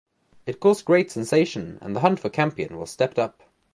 It caused great sensation, and the hunt for Campion was stepped up.